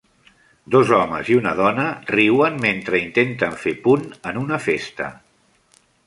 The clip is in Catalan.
Dos homes i una dona riuen mentre intenten fer punt en una festa.